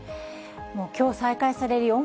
きょう再開される